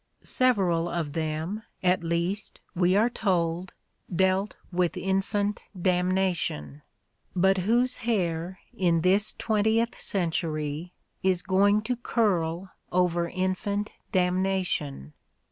Several of them, at least, we are told, dealt with infant damnation; but whose hair, in this twentieth century, is going to curl over infant damnation